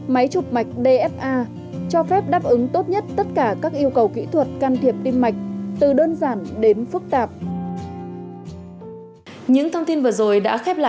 máy chụp mạch dfa cho phép đáp ứng tốt nhất tất cả các yêu cầu kỹ thuật can thiệp tim mạch từ đơn giản đến phức tạp